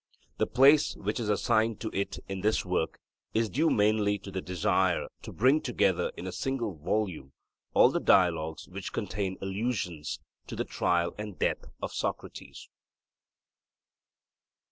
The place which is assigned to it in this work is due mainly to the desire to bring together in a single volume all the Dialogues which contain allusions to the trial and death of Socrates.